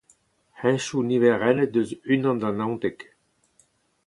hentoù niverennet eus unan da naontek